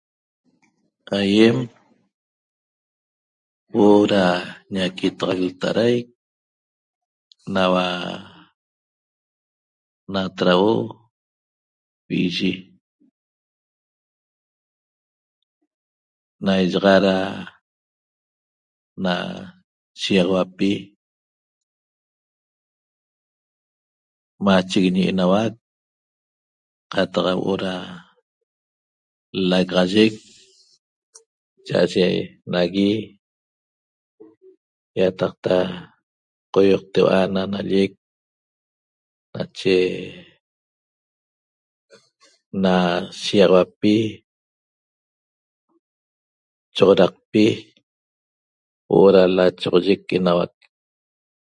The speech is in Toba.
Aýem huo'o da ñaquitaxac lta'adaic naua natrauo vi'iyi na iyaxa da na shiýaxauapi machiguiñi enauac qataq huo'o da l-lagaxayic cha'aye nagui ýataqta qoioqteu'a na nallec nache na shiýaxauapi choxodaqpi huo'o da lachoxoyic enauac